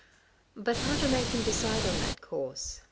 But how to make him decide on that course?